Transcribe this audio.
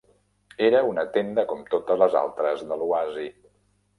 Era una tenda com totes les altres de l'oasi.